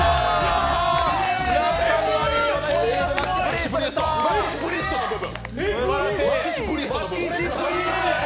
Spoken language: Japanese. マキシ・プリーストの部分！